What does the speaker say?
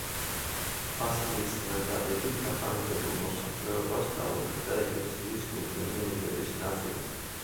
ბასილის წინადადებით გაღარიბებულ მოსახლეობას დაურიგდა ეკლესიის კუთვნილი მიწების ნაწილი.